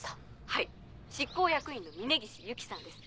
はい執行役員の峰岸雪さんです。